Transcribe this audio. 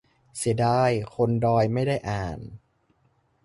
- เสียดายคนดอยไม่ได้อ่าน